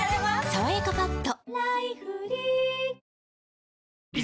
「さわやかパッド」